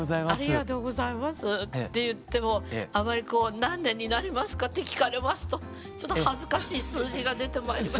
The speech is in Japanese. ありがとうございますって言ってもあまりこう「何年になりますか？」って聞かれますとちょっと恥ずかしい数字が出てまいります。